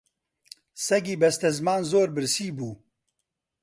سەگی بەستەزمان زۆر برسی بوو